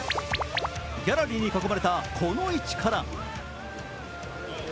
ギャラリーに囲まれたこの位置から。